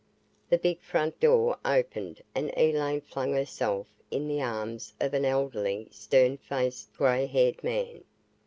The big front door opened and Elaine flung herself in the arms of an elderly, stern faced, gray haired man.